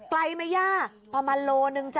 ไกลไหมย่าประมาณโลนึงจ้